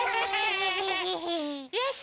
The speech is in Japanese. よし！